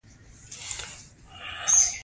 هغوی په ژور کوڅه کې پر بل باندې ژمن شول.